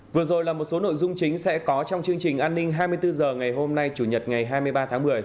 vừa rồi là một số nội dung chính sẽ có trong chương trình an ninh hai mươi bốn h ngày hôm nay chủ nhật ngày hai mươi ba tháng một mươi